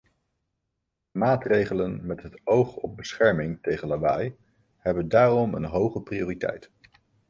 Maatregelen met het oog op bescherming tegen lawaai hebben daarom een hoge prioriteit.